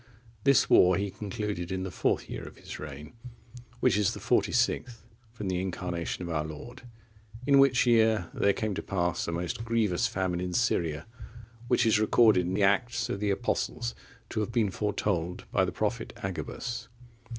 This war he concluded in the fourth year of his reign, which is the forty sixth from the Incarnation of our Lord. In which year there came to pass a most grievous famine in Syria, which is recorded in the Acts of the Apostles to have been foretold by the prophet Agabus.